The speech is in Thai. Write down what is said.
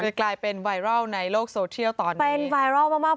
คือกลายเป็นไวรัลในโลกโซเทียลตอนนี้เป็นไวรัลมากมาก